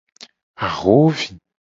Ahovi.